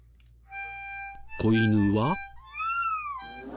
子犬は。